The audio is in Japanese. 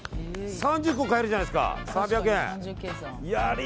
３０個買えるじゃないですか。